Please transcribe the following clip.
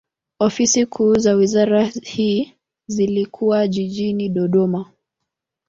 Ofisi kuu za wizara hii zilikuwa jijini Dodoma.